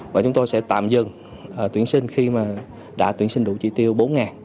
và chúng tôi sẽ tạm dừng tuyển sinh khi mà đã tuyển sinh đủ chỉ tiêu bốn ngàn